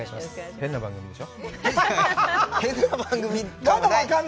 変な番組でしょう？